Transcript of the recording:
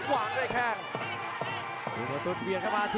โอ้โหโดนเตือนครั้งนี้ต้องรีบเลยครับ